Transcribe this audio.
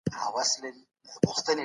روښانه فکر ستونزي نه جوړوي.